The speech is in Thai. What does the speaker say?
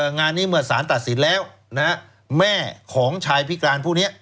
งานนี้เมื่อสารตัดสินแล้วแม่ของชายพิการผู้นี้